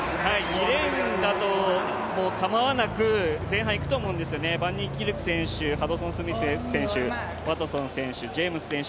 ２レーンだと構わなく前半いくと思うんですね、バンニーキルク選手、ハドソンスミス選手、ワトソン選手、ジェームス選手